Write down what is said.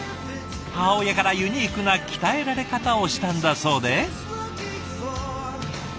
母親からユニークな鍛えられ方をしたんだそうで。